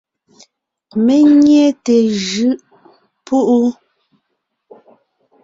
Mé nyé té jʉʼ púʼu.